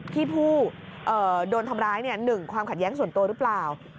ผู้โดนทำร้าย๑ความขัดแย้งส่วนตัวหรือเปล่า